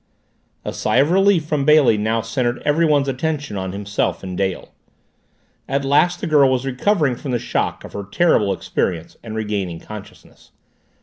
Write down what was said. A sigh of relief from Bailey now centered everyone's attention on himself and Dale. At last the girl was recovering from the shock of her terrible experience and regaining consciousness.